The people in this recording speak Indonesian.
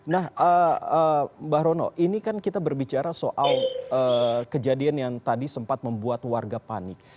nah mbak rono ini kan kita berbicara soal kejadian yang tadi sempat membuat warga panik